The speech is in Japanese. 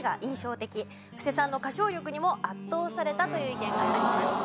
布施さんの歌唱力にも圧倒されたという意見がありました。